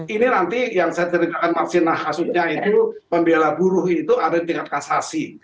ini nanti yang saya ceritakan maksinah kasusnya itu pembela buruh itu ada tingkat kasasi